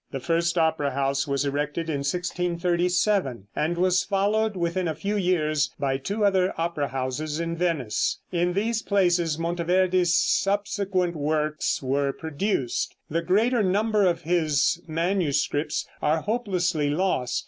The first opera house was erected in 1637 and was followed within a few years by two other opera houses in Venice. In these places Monteverde's subsequent works were produced. The greater number of his manuscripts are hopelessly lost.